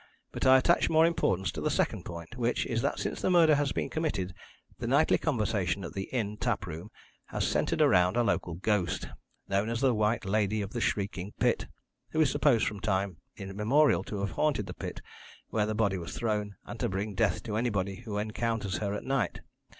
But I attach more importance to the second point, which is that since the murder has been committed the nightly conversation at the inn tap room has centred around a local ghost, known as the White Lady of the Shrieking Pit, who is supposed from time immemorial to have haunted the pit where the body was thrown, and to bring death to anybody who encounters her at night.